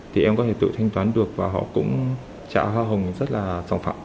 thì em có thể tự thanh toán được và họ cũng trả hoa hồng rất là sẵn sàng